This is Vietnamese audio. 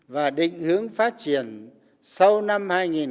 và định hướng phát triển sau năm hai nghìn hai mươi năm